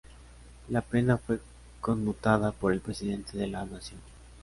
La pena fue conmutada por el presidente de la Nación.